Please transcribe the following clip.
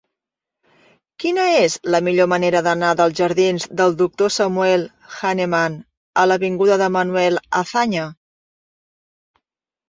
Quina és la millor manera d'anar dels jardins del Doctor Samuel Hahnemann a l'avinguda de Manuel Azaña?